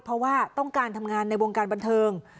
เพราะว่าต้องการทำงานในวงการบันเทิง